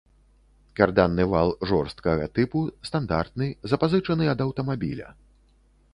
Карданны вал жорсткага тыпу, стандартны, запазычаны ад аўтамабіля.